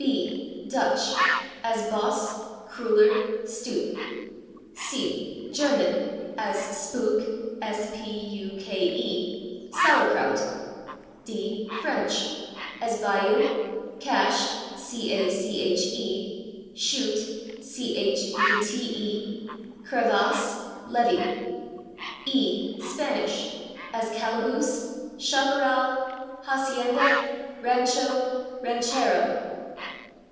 b. Dutch, as /boss/, /kruller/, /stoop/. c. German, as /spuke/ (?), /sauerkraut/. d. French, as /bayou/, /cache/, /chute/, /crevasse/, /levee/. e. Spanish, as /calaboose/, /chapparal/, /hacienda/, /rancho/, /ranchero